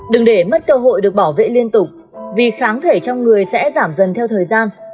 đừng để mất cơ hội được bảo vệ liên tục vì kháng thể trong người sẽ giảm dần theo thời gian